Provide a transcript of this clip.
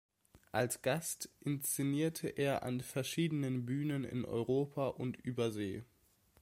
Als Gast inszenierte er an verschiedenen Bühnen in Europa und Übersee.